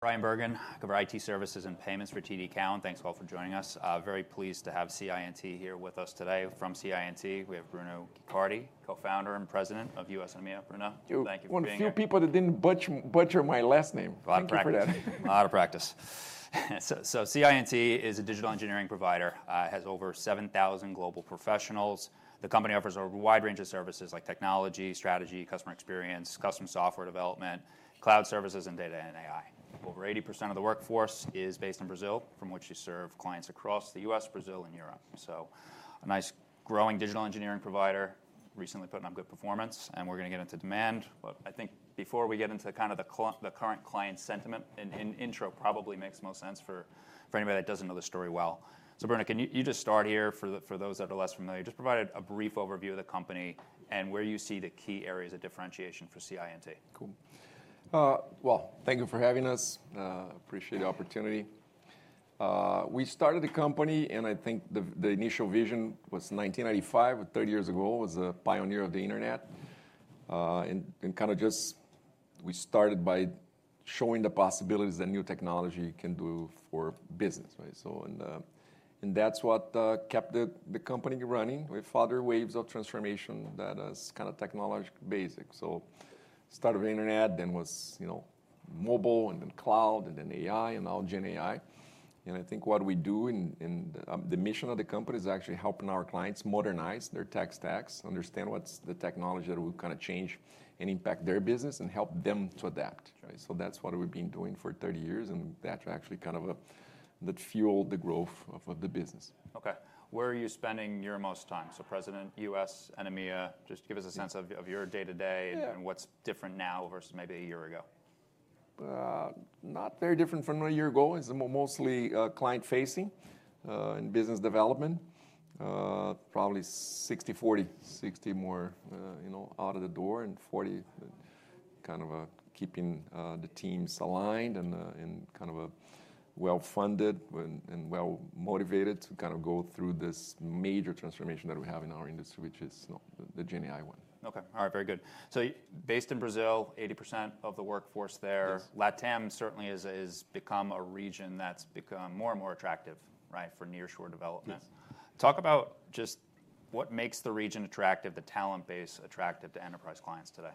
Brian Bergen, Head of IT Services and Payments for TD Bank. Thanks a lot for joining us. Very pleased to have CI&T here with us today. From CI&T, we have Bruno Guicardi, Co-founder and President of North America and Europe operations. Bruno, thank you for being here. A few people that didn't Guicardi my last name. A lot of practice. A lot of practice. CI&T is a digital engineering provider. It has over 7,000 global professionals. The company offers a wide range of services like technology, strategy, customer experience, custom software development, cloud services, and data and AI. Over 80% of the workforce is based in Brazil, from which they serve clients across the US, Brazil, and Europe. A nice growing digital engineering provider, recently putting up good performance. We're going to get into demand. I think before we get into kind of the current client sentiment, an intro probably makes the most sense for anybody that does not know the story well. Bruno, can you just start here for those that are less familiar? Just provide a brief overview of the company and where you see the key areas of differentiation for CI&T. Cool. Thank you for having us. Appreciate the opportunity. We started the company, and I think the initial vision was 1995, 30 years ago, as a pioneer of the internet. Kind of just we started by showing the possibilities that new technology can do for business. That is what kept the company running with other waves of transformation that is kind of technological basic. Started with the internet, then was mobile, and then cloud, and then AI, and now GenAI. I think what we do, and the mission of the company is actually helping our clients modernize their tech stacks, understand what's the technology that will kind of change and impact their business, and help them to adapt. That is what we've been doing for 30 years. That is actually kind of that fueled the growth of the business. OK. Where are you spending your most time? President, US, EMEA, just give us a sense of your day-to-day and what's different now versus maybe a year ago. Not very different from a year ago. It's mostly client-facing and business development. Probably 60-40, 60 more out of the door and 40 kind of keeping the teams aligned and kind of well-funded and well-motivated to kind of go through this major transformation that we have in our industry, which is the GenAI one. OK. All right, very good. Based in Brazil, 80% of the workforce there. Latam certainly has become a region that's become more and more attractive for nearshore development. Talk about just what makes the region attractive, the talent base attractive to enterprise clients today.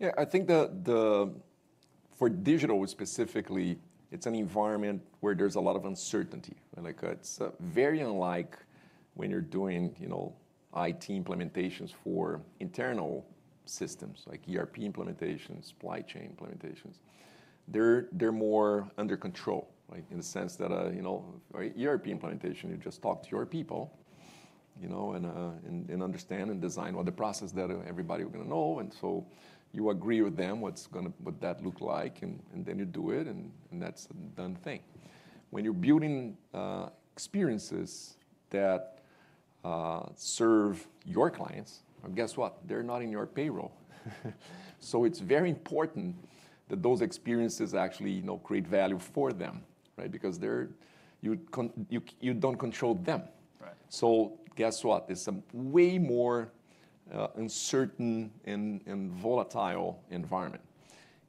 Yeah, I think for digital specifically, it's an environment where there's a lot of uncertainty. It's very unlike when you're doing IT implementations for internal systems, like ERP implementations, supply chain implementations. They're more under control in the sense that ERP implementation, you just talk to your people and understand and design what the process that everybody will know. You agree with them what that's going to look like, and then you do it, and that's a done thing. When you're building experiences that serve your clients, guess what? They're not on your payroll. It's very important that those experiences actually create value for them because you don't control them. Guess what? It's a way more uncertain and volatile environment.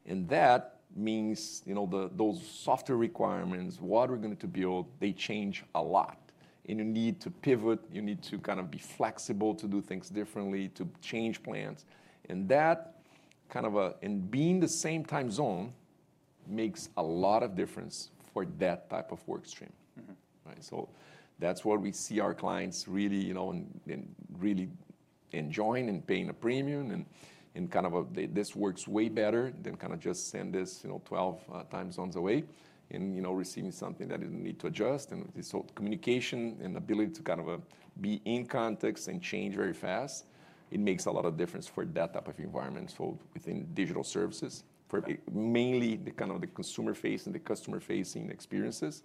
That means those software requirements, what we're going to build, they change a lot. You need to pivot. You need to kind of be flexible to do things differently, to change plans. That kind of being the same time zone makes a lot of difference for that type of work stream. That is what we see our clients really enjoying and paying a premium. This works way better than just send this 12 time zones away and receiving something that you need to adjust. Communication and ability to kind of be in context and change very fast, it makes a lot of difference for that type of environment. Within digital services, mainly kind of the consumer-facing and the customer-facing experiences,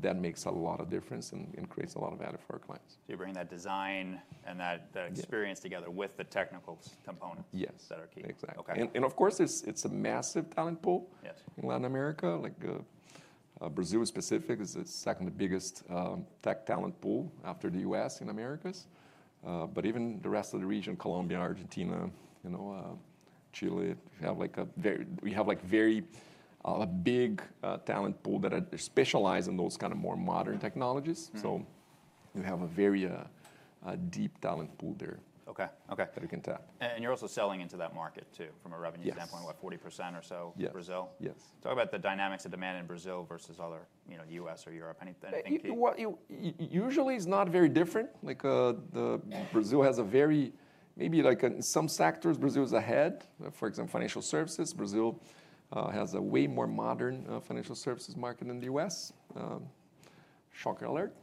that makes a lot of difference and creates a lot of value for our clients. You bring that design and that experience together with the technical component that are key. Yes, exactly. Of course, it's a massive talent pool in Latin America. Brazil specific is the second biggest tech talent pool after the US in the Americas. Even the rest of the region, Colombia, Argentina, Chile, we have a very big talent pool that specializes in those kind of more modern technologies. You have a very deep talent pool there that you can tap. You're also selling into that market too from a revenue standpoint, what, 40% or so Brazil? Yes. Talk about the dynamics of demand in Brazil versus other US or Europe. Anything key? Usually, it's not very different. Brazil has a very, maybe in some sectors, Brazil is ahead. For example, financial services, Brazil has a way more modern financial services market than the U.S. Shock alert.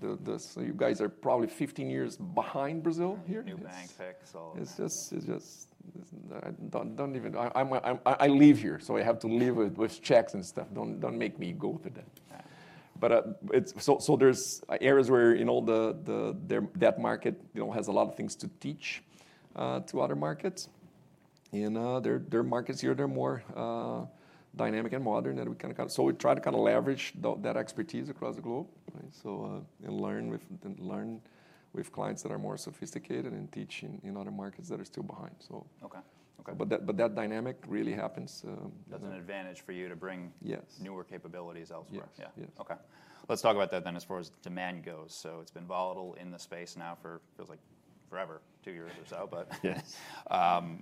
You guys are probably 15 years behind Brazil here. Nubank, all of that. It's just I don't even, I live here, so I have to live with checks and stuff. Don't make me go to that. There are areas where that market has a lot of things to teach to other markets. There are markets here that are more dynamic and modern. We try to kind of leverage that expertise across the globe and learn with clients that are more sophisticated and teach in other markets that are still behind. That dynamic really happens. That's an advantage for you to bring newer capabilities elsewhere. Yes. OK. Let's talk about that then as far as demand goes. It's been volatile in the space now for, it feels like, forever, two years or so.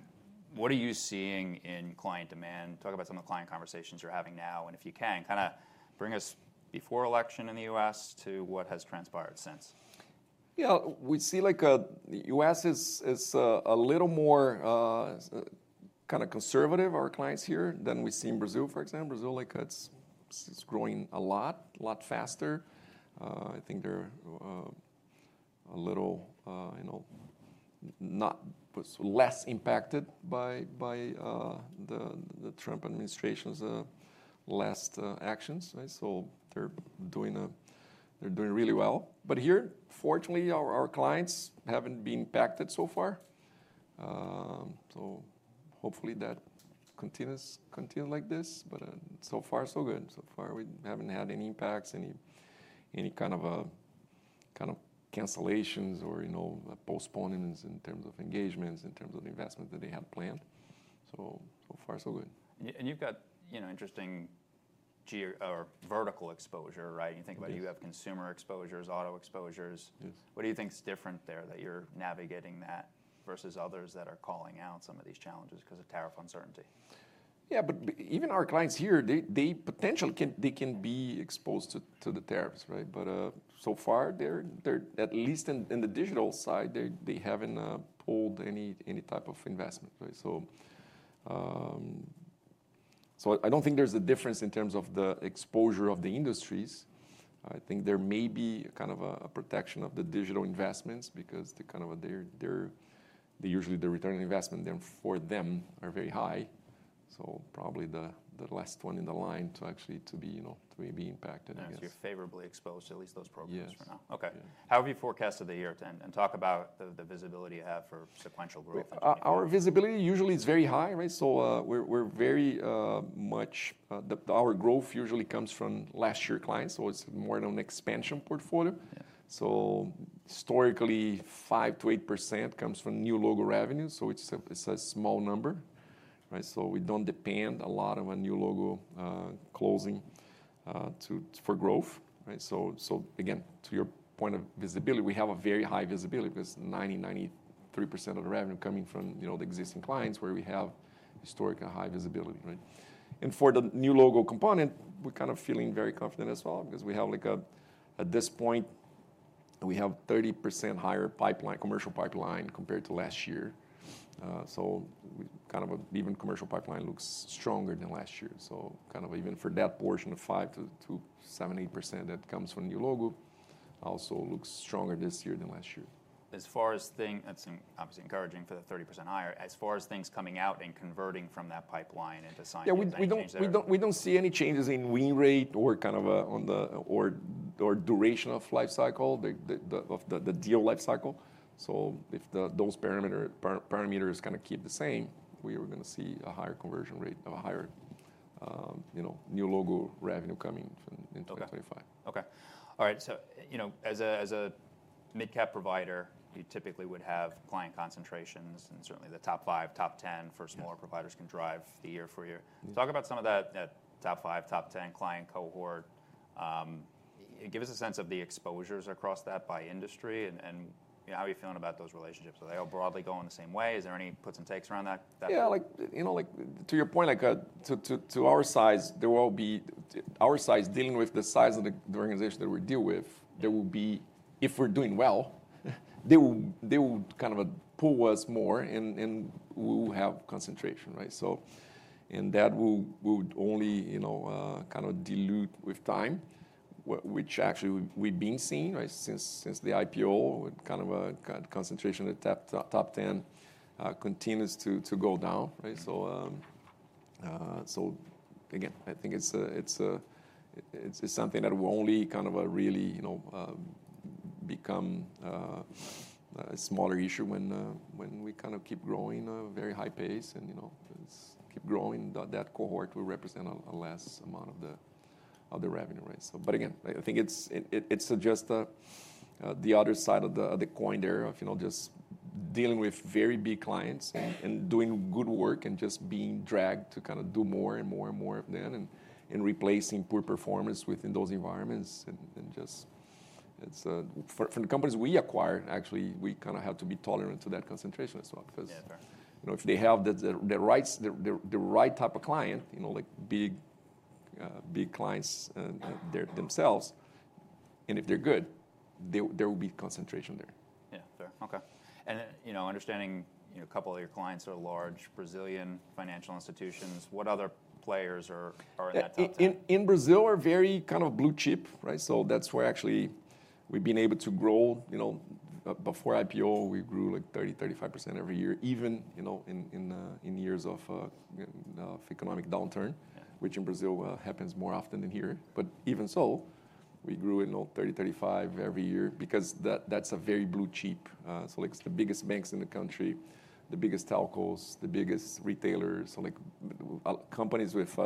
What are you seeing in client demand? Talk about some of the client conversations you're having now. If you can, kind of bring us before election in the U.S. to what has transpired since. Yeah, we see the US is a little more kind of conservative, our clients here, than we see in Brazil, for example. Brazil, it's growing a lot, a lot faster. I think they're a little less impacted by the Trump administration's last actions. They're doing really well. Here, fortunately, our clients haven't been impacted so far. Hopefully that continues like this. So far, so good. So far, we haven't had any impacts, any kind of cancellations or postponements in terms of engagements, in terms of investment that they had planned. So far, so good. You've got interesting vertical exposure, right? You think about you have consumer exposures, auto exposures. What do you think is different there that you're navigating that versus others that are calling out some of these challenges because of tariff uncertainty? Yeah, but even our clients here, they potentially can be exposed to the tariffs. But so far, at least in the digital side, they haven't pulled any type of investment. I don't think there's a difference in terms of the exposure of the industries. I think there may be kind of a protection of the digital investments because usually the return on investment for them are very high. Probably the last one in the line to actually be impacted. You're favorably exposed to at least those programs for now. Yes. OK. How have you forecasted the year? Talk about the visibility you have for sequential growth. Our visibility usually is very high. We're very much, our growth usually comes from last year's clients. It's more than an expansion portfolio. Historically, 5%-8% comes from new logo revenue. It's a small number. We don't depend a lot on new logo closing for growth. Again, to your point of visibility, we have a very high visibility because 90%-93% of the revenue coming from the existing clients where we have historically high visibility. For the new logo component, we're kind of feeling very confident as well because at this point, we have 30% higher commercial pipeline compared to last year. Even commercial pipeline looks stronger than last year. Even for that portion of 5%-7%, 8% that comes from new logo also looks stronger this year than last year. As far as things, that's obviously encouraging for the 30% higher, as far as things coming out and converting from that pipeline into signage. Yeah, we don't see any changes in win rate or kind of duration of lifecycle, the deal lifecycle. If those parameters kind of keep the same, we are going to see a higher conversion rate, a higher new logo revenue coming in 2025. OK. All right. As a mid-cap provider, you typically would have client concentrations. Certainly, the top 5%, top 10% for smaller providers can drive the year for you. Talk about some of that top 5%, top 10% client cohort. Give us a sense of the exposures across that by industry. How are you feeling about those relationships? Are they all broadly going the same way? Is there any puts and takes around that? Yeah, to your point, to our size, there will be our size dealing with the size of the organization that we deal with, there will be, if we're doing well, they will kind of pull us more, and we will have concentration. That will only kind of dilute with time, which actually we've been seeing since the IPO, kind of concentration of the top 10% continues to go down. I think it's something that will only kind of really become a smaller issue when we kind of keep growing at a very high pace. Keep growing, that cohort will represent a less amount of the revenue. I think it's just the other side of the coin there of just dealing with very big clients and doing good work and just being dragged to kind of do more and more and more of that and replacing poor performance within those environments. Just for the companies we acquire, actually, we kind of have to be tolerant to that concentration as well. Because if they have the right type of client, like big clients themselves, and if they're good, there will be concentration there. Yeah, fair. OK. And understanding a couple of your clients are large Brazilian financial institutions, what other players are in that top 10? In Brazil, we're very kind of blue chip. That's why actually we've been able to grow. Before IPO, we grew like 30%-35% every year, even in years of economic downturn, which in Brazil happens more often than here. Even so, we grew 30%-35% every year because that's a very blue chip. It's the biggest banks in the country, the biggest telcos, the biggest retailers, companies with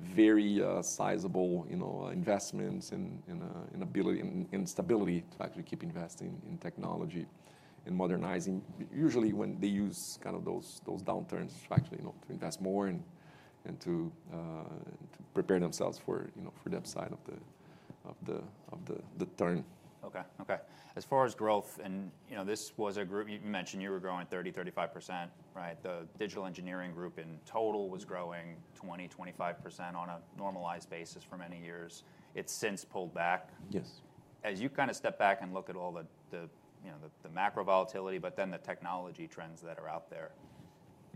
very sizable investments and stability to actually keep investing in technology and modernizing. Usually, they use kind of those downturns to actually invest more and to prepare themselves for that side of the turn. OK. OK. As far as growth, and this was a group you mentioned you were growing 30%-35%. The digital engineering group in total was growing 20%-25% on a normalized basis for many years. It's since pulled back. Yes. As you kind of step back and look at all the macro volatility, but then the technology trends that are out there,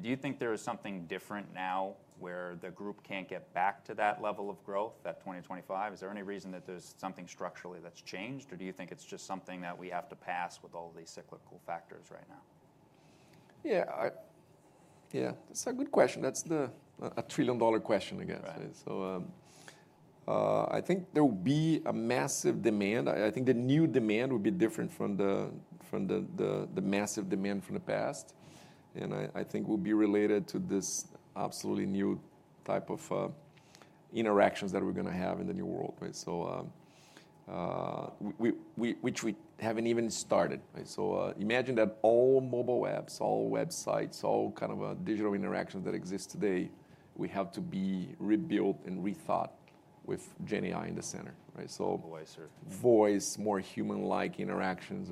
do you think there is something different now where the group can't get back to that level of growth at 2025? Is there any reason that there's something structurally that's changed? Or do you think it's just something that we have to pass with all these cyclical factors right now? Yeah, yeah, that's a good question. That's the trillion-dollar question again. I think there will be a massive demand. I think the new demand will be different from the massive demand from the past. I think it will be related to this absolutely new type of interactions that we're going to have in the new world, which we haven't even started. Imagine that all mobile apps, all websites, all kind of digital interactions that exist today, we have to be rebuilt and rethought with GenAI in the center. Voice. Voice, more human-like interactions.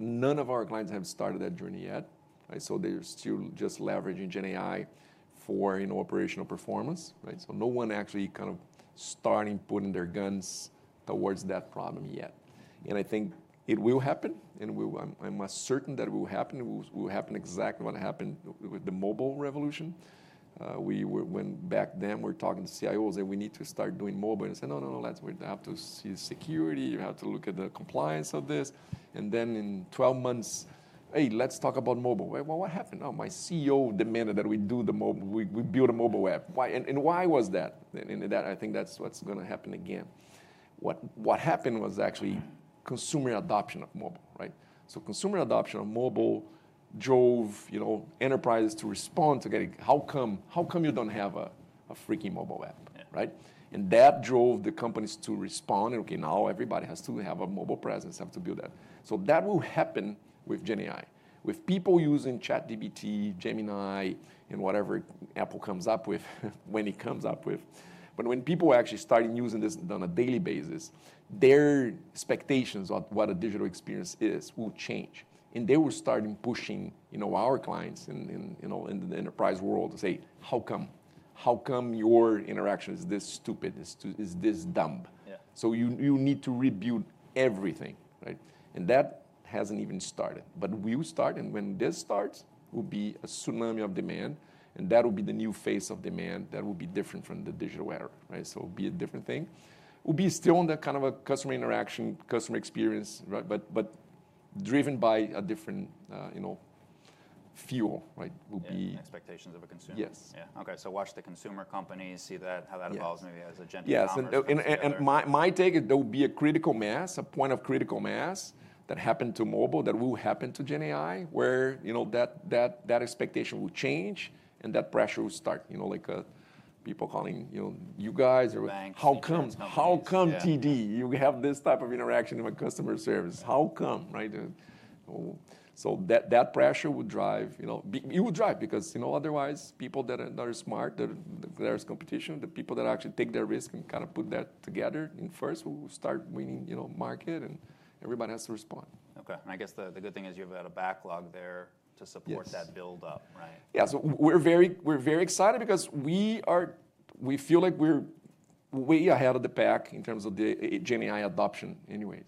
None of our clients have started that journey yet. They are still just leveraging GenAI for operational performance. No one actually kind of starting putting their guns towards that problem yet. I think it will happen. I am certain that it will happen. It will happen exactly what happened with the mobile revolution. Back then, we were talking to CIOs. They said, we need to start doing mobile. I said, no, no, no. You have to see security. You have to look at the compliance of this. In 12 months, hey, let's talk about mobile. What happened? My CEO demanded that we build a mobile app. Why was that? I think that is what is going to happen again. What happened was actually consumer adoption of mobile. Consumer adoption of mobile drove enterprises to respond to, how come you don't have a freaking mobile app? That drove the companies to respond. OK, now everybody has to have a mobile presence, have to build that. That will happen with GenAI, with people using ChatGPT, Gemini, and whatever Apple comes up with when it comes up with. When people actually start using this on a daily basis, their expectations on what a digital experience is will change. They will start pushing our clients in the enterprise world to say, how come your interaction is this stupid, is this dumb? You need to rebuild everything. That hasn't even started. We will start. When this starts, it will be a tsunami of demand. That will be the new face of demand that will be different from the digital era. It will be a different thing. It will be still on the kind of customer interaction, customer experience, but driven by a different fuel. Expectations of a consumer. Yes. OK, so watch the consumer companies see how that evolves maybe as a GenAI model. Yes. My take is there will be a critical mass, a point of critical mass that happened to mobile that will happen to GenAI, where that expectation will change. That pressure will start, like people calling you guys. Banks. How come TD? You have this type of interaction with customer service. How come? That pressure will drive. It will drive because otherwise, people that are smart, there's competition. The people that actually take their risk and kind of put that together in first will start winning market. Everybody has to respond. OK. I guess the good thing is you have a backlog there to support that build-up, right? Yes. We're very excited because we feel like we're way ahead of the pack in terms of the GenAI adoption anyway.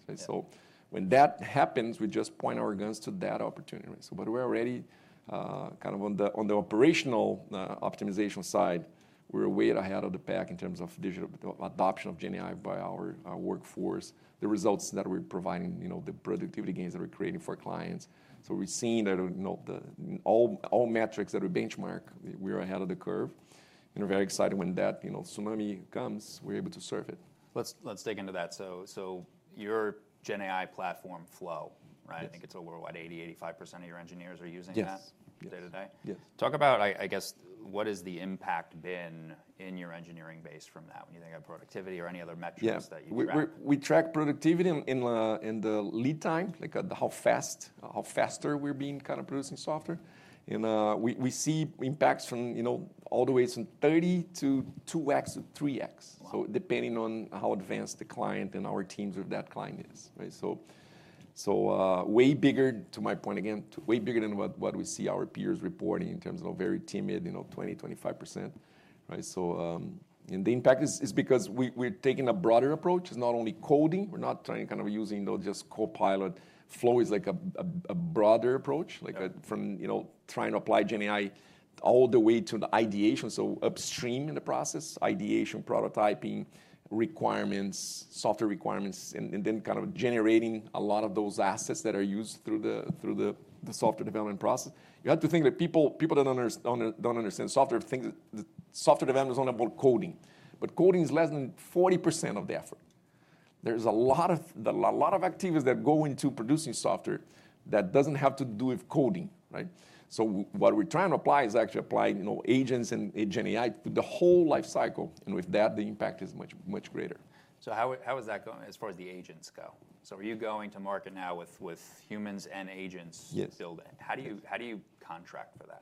When that happens, we just point our guns to that opportunity. We're already kind of on the operational optimization side. We're way ahead of the pack in terms of digital adoption of GenAI by our workforce, the results that we're providing, the productivity gains that we're creating for clients. We've seen all metrics that we benchmark, we're ahead of the curve. We're very excited when that tsunami comes, we're able to surf it. Let's dig into that. Your GenAI platform Flow, I think it's a worldwide 80%-85% of your engineers are using that day to day. Yes. Talk about, I guess, what has the impact been in your engineering base from that, when you think of productivity or any other metrics that you ran? We track productivity in the lead time, like how fast we're being kind of producing software. We see impacts from all the way from 30% to 2X to 3X, depending on how advanced the client and our teams or that client is. Way bigger, to my point again, way bigger than what we see our peers reporting in terms of very timid 20%, 25%. The impact is because we're taking a broader approach. It's not only coding. We're not trying to kind of using just Copilot. Flow is like a broader approach, like from trying to apply GenAI all the way to the ideation, so upstream in the process, ideation, prototyping, requirements, software requirements, and then kind of generating a lot of those assets that are used through the software development process. You have to think that people that do not understand software, software development is only about coding. Coding is less than 40% of the effort. There is a lot of activities that go into producing software that does not have to do with coding. What we are trying to apply is actually applying agents and GenAI to the whole lifecycle. With that, the impact is much greater. How is that going as far as the agents go? Are you going to market now with humans and agents building? Yes. How do you contract for that?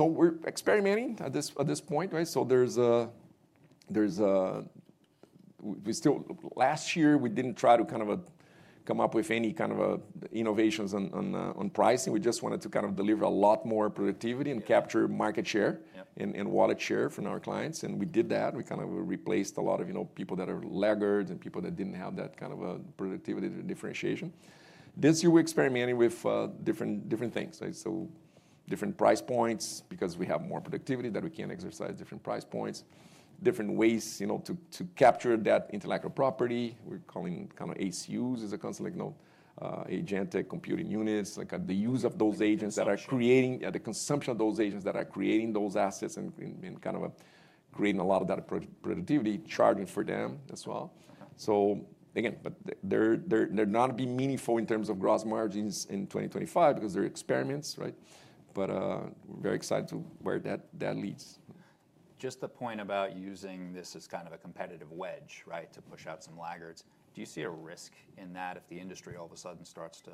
We're experimenting at this point. We still, last year, we didn't try to kind of come up with any kind of innovations on pricing. We just wanted to kind of deliver a lot more productivity and capture market share and wallet share from our clients. We did that. We kind of replaced a lot of people that are laggards and people that didn't have that kind of productivity differentiation. This year, we're experimenting with different things, different price points because we have more productivity that we can exercise, different price points, different ways to capture that intellectual property. We're calling kind of ACUs, Agentic Computing Units, like the use of those agents that are creating, the consumption of those agents that are creating those assets and kind of creating a lot of that productivity, charging for them as well. Again, they're not being meaningful in terms of gross margins in 2025 because they're experiments. But we're very excited to where that leads. Just the point about using this as kind of a competitive wedge to push out some laggards, do you see a risk in that if the industry all of a sudden starts to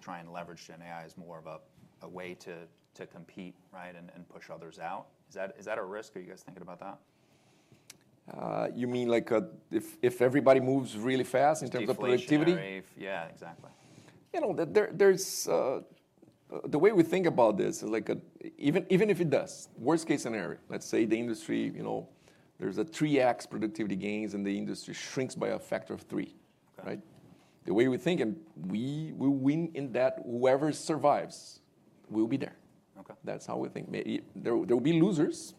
try and leverage GenAI as more of a way to compete and push others out? Is that a risk? Are you guys thinking about that? You mean like if everybody moves really fast in terms of productivity? Yeah, exactly. The way we think about this is like even if it does, worst case scenario, let's say the industry, there's a 3X productivity gains, and the industry shrinks by a factor of 3. The way we think, and we will win in that whoever survives will be there. That's how we think. There will be losers,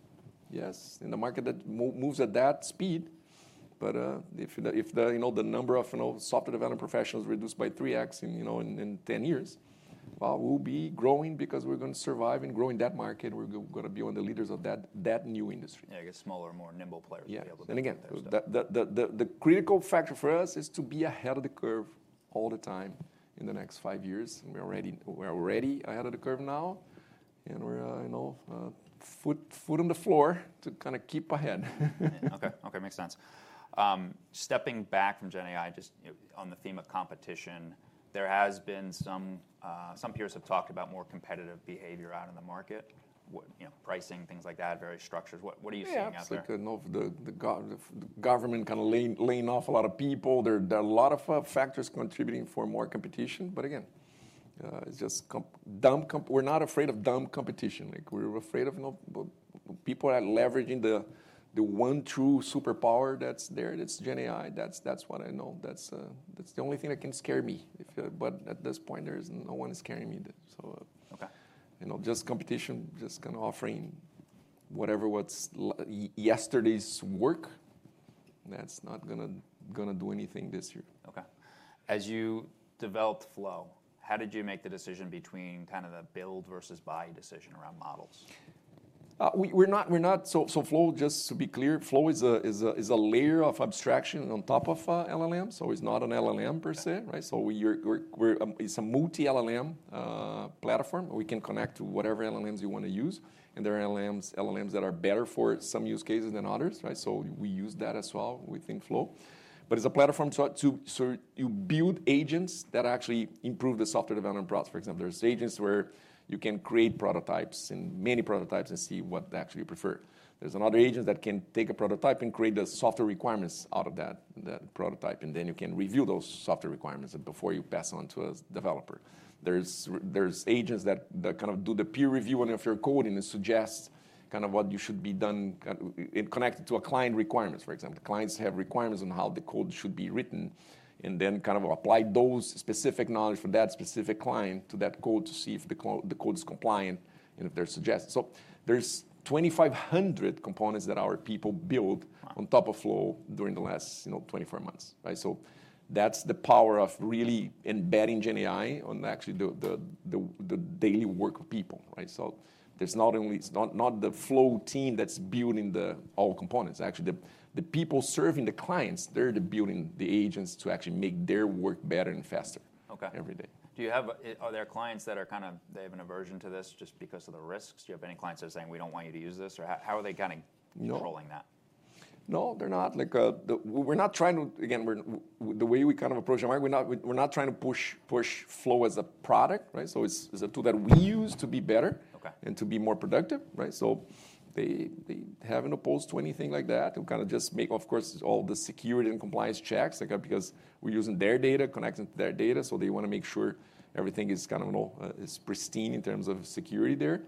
yes, in the market that moves at that speed. If the number of software development professionals reduced by 3X in 10 years, we're going to be growing because we're going to survive and grow in that market. We're going to be one of the leaders of that new industry. Yeah, I guess smaller, more nimble players will be able to. The critical factor for us is to be ahead of the curve all the time in the next 5 years. We're already ahead of the curve now. We're foot on the floor to kind of keep ahead. OK. OK, makes sense. Stepping back from GenAI, just on the theme of competition, there has been some peers have talked about more competitive behavior out in the market, pricing, things like that, various structures. What are you seeing out there? Yes, like the government kind of laying off a lot of people. There are a lot of factors contributing for more competition. Again, it's just dumb. We're not afraid of dumb competition. We're afraid of people that are leveraging the one true superpower that's there. That's GenAI. That's what I know. That's the only thing that can scare me. At this point, no one is scaring me. Just competition, just kind of offering whatever what's yesterday's work, that's not going to do anything this year. OK. As you developed Flow, how did you make the decision between kind of the build versus buy decision around models? Flow, just to be clear, Flow is a layer of abstraction on top of LLMs. It is not an LLM per se. It is a multi-LLM platform. We can connect to whatever LLMs you want to use. There are LLMs that are better for some use cases than others. We use that as well within Flow. It is a platform to build agents that actually improve the software development process. For example, there are agents where you can create prototypes and many prototypes and see what actually you prefer. There is another agent that can take a prototype and create the software requirements out of that prototype. Then you can review those software requirements before you pass on to a developer. There's agents that kind of do the peer review of your code and suggest kind of what you should be done and connect it to a client requirement, for example. Clients have requirements on how the code should be written. Then kind of apply those specific knowledge for that specific client to that code to see if the code is compliant and if they're suggested. There's 2,500 components that our people build on top of Flow during the last 24 months. That's the power of really embedding GenAI on actually the daily work of people. It's not the Flow team that's building all components. Actually, the people serving the clients, they're building the agents to actually make their work better and faster every day. Do you have other clients that are kind of, they have an aversion to this just because of the risks? Do you have any clients that are saying, we don't want you to use this? How are they kind of controlling that? No, they're not. We're not trying to, again, the way we kind of approach the market, we're not trying to push Flow as a product. So it's a tool that we use to be better and to be more productive. They haven't opposed to anything like that. We kind of just make, of course, all the security and compliance checks because we're using their data, connecting to their data. They want to make sure everything is kind of pristine in terms of security there.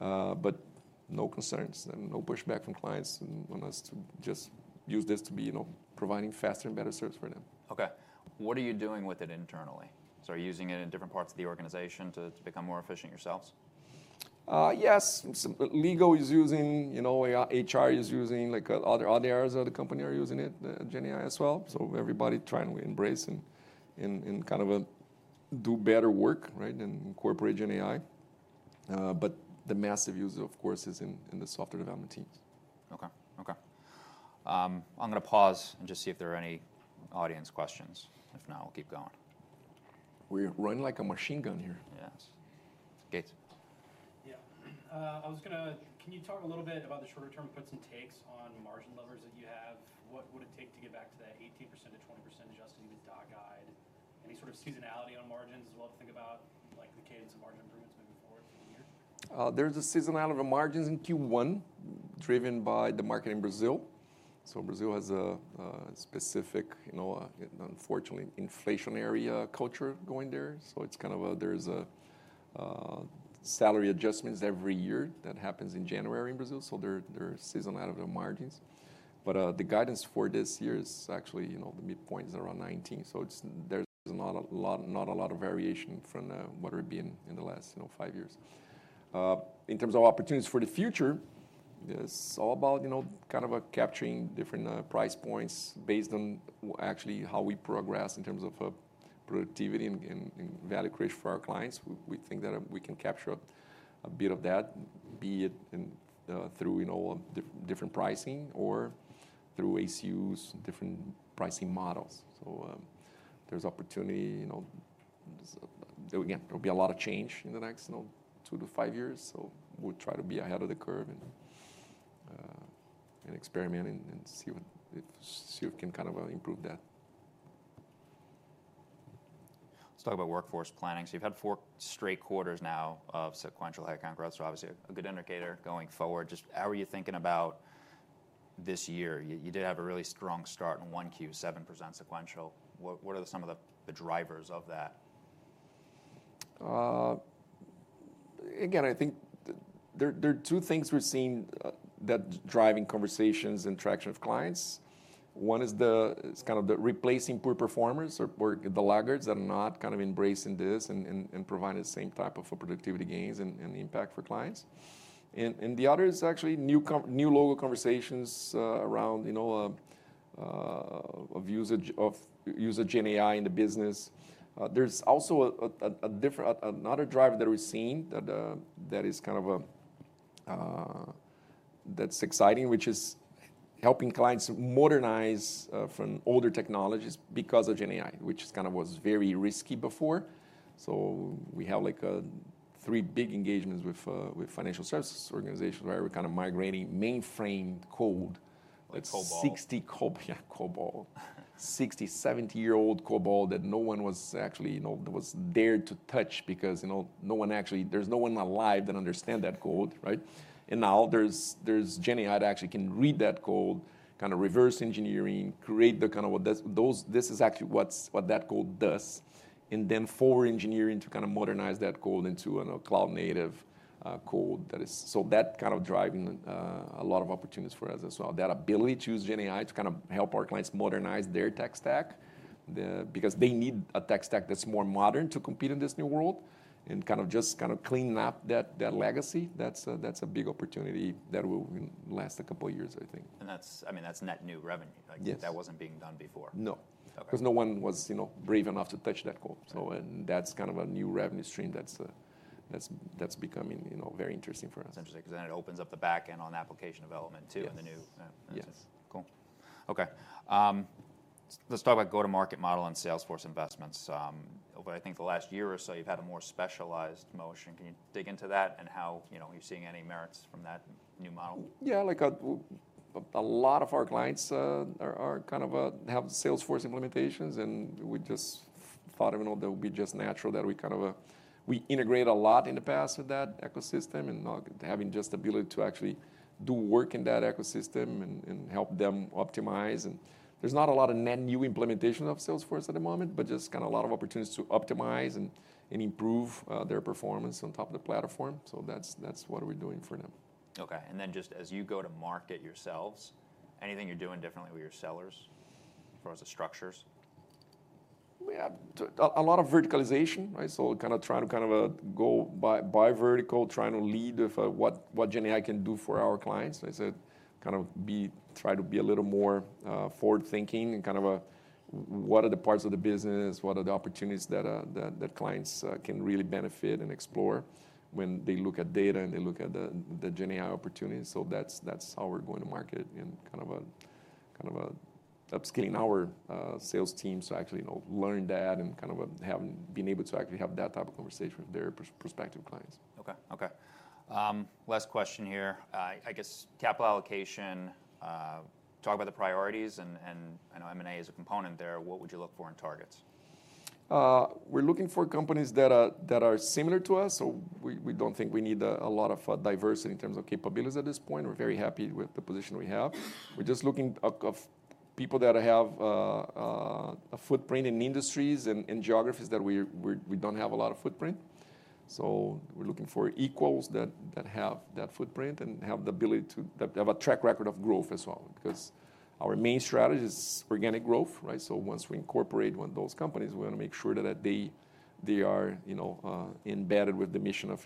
No concerns and no pushback from clients on us to just use this to be providing faster and better service for them. Okay. What are you doing with it internally? Are you using it in different parts of the organization to become more efficient yourselves? Yes. Legal is using, HR is using, like other areas of the company are using GenAI as well. Everybody's trying to embrace and kind of do better work and incorporate GenAI. The massive use, of course, is in the software development teams. Okay. Okay. I'm going to pause and just see if there are any audience questions. If not, we'll keep going. We're running like a machine gun here. Yes. Gates. Yeah. I was going to, can you talk a little bit about the shorter-term puts and takes on margin levers that you have? What would it take to get back to that 18%-20% adjusted EBITDA? Any sort of seasonality on margins as well to think about the cadence of margin improvements moving forward in the year? There's a seasonality of margins in Q1 driven by the market in Brazil. Brazil has a specific, unfortunately, inflationary culture going there. It's kind of a, there's salary adjustments every year that happens in January in Brazil. They're seasonal out of the margins. The guidance for this year is actually the midpoint is around 19. There's not a lot of variation from what we've been in the last five years. In terms of opportunities for the future, it's all about kind of capturing different price points based on actually how we progress in terms of productivity and value creation for our clients. We think that we can capture a bit of that, be it through different pricing or through ACUs, different pricing models. There's opportunity. Again, there will be a lot of change in the next two to five years. We'll try to be ahead of the curve and experiment and see if we can kind of improve that. Let's talk about workforce planning. You have had four straight quarters now of sequential headcount growth. Obviously, a good indicator going forward. Just how are you thinking about this year? You did have a really strong start in Q1, 7% sequential. What are some of the drivers of that? Again, I think there are two things we're seeing that are driving conversations and traction of clients. One is kind of replacing poor performers or the laggards that are not kind of embracing this and providing the same type of productivity gains and impact for clients. The other is actually new local conversations around usage of GenAI in the business. There's also another driver that we're seeing that is kind of exciting, which is helping clients modernize from older technologies because of GenAI, which kind of was very risky before. We have like three big engagements with financial services organizations where we're kind of migrating mainframe code. Like COBOL. Yeah, COBOL, 60, 70-year-old COBOL that no one was actually dared to touch because there's no one alive that understands that code. Now there's GenAI that actually can read that code, kind of reverse engineering, create the kind of this is actually what that code does, and then forward engineering to kind of modernize that code into a cloud-native code. That's kind of driving a lot of opportunities for us as well. That ability to use GenAI to kind of help our clients modernize their tech stack because they need a tech stack that's more modern to compete in this new world and just kind of clean up that legacy. That's a big opportunity that will last a couple of years, I think. I mean, that's net new revenue. That wasn't being done before. No, because no one was brave enough to touch that code. That is kind of a new revenue stream that is becoming very interesting for us. That's interesting because then it opens up the back end on application development too in the new. Yes. Cool. Okay. Let's talk about go-to-market model and Salesforce investments. Over, I think, the last year or so, you've had a more specialized motion. Can you dig into that and how you're seeing any merits from that new model? Yeah. Like a lot of our clients are kind of have Salesforce implementations. We just thought it would be just natural that we kind of integrate a lot in the past with that ecosystem and having just the ability to actually do work in that ecosystem and help them optimize. There's not a lot of net new implementation of Salesforce at the moment, but just kind of a lot of opportunities to optimize and improve their performance on top of the platform. That's what we're doing for them. Okay. As you go to market yourselves, anything you're doing differently with your sellers as far as the structures? We have a lot of verticalization. Kind of trying to go by vertical, trying to lead with what GenAI can do for our clients. I said kind of try to be a little more forward-thinking and kind of what are the parts of the business, what are the opportunities that clients can really benefit and explore when they look at data and they look at the GenAI opportunities. That's how we're going to market and kind of upskilling our sales teams to actually learn that and kind of being able to actually have that type of conversation with their prospective clients. Okay. Okay. Last question here. I guess capital allocation, talk about the priorities. I know M&A is a component there. What would you look for in targets? We're looking for companies that are similar to us. We don't think we need a lot of diversity in terms of capabilities at this point. We're very happy with the position we have. We're just looking for people that have a footprint in industries and geographies that we don't have a lot of footprint. We're looking for equals that have that footprint and have the ability to have a track record of growth as well. Our main strategy is organic growth. Once we incorporate one of those companies, we want to make sure that they are embedded with the mission of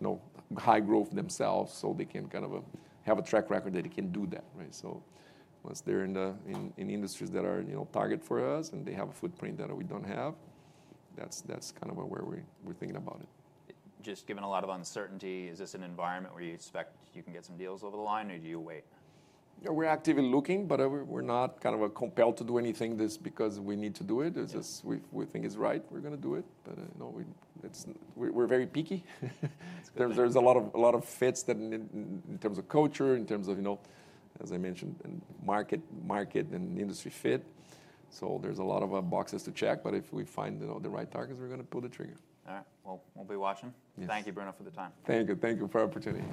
high growth themselves so they can kind of have a track record that they can do that. Once they're in industries that are targeted for us and they have a footprint that we don't have, that's kind of where we're thinking about it. Just given a lot of uncertainty, is this an environment where you expect you can get some deals over the line or do you wait? Yeah, we're actively looking, but we're not kind of compelled to do anything just because we need to do it. It's just we think it's right. We're going to do it. We're very picky. There's a lot of fits in terms of culture, in terms of, as I mentioned, market and industry fit. There are a lot of boxes to check. If we find the right targets, we're going to pull the trigger. All right. We'll be watching. Thank you, Bruno, for the time. Thank you. Thank you for the opportunity.